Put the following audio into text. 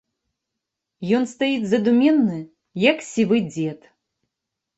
Ён стаіць задуменны, як сівы дзед.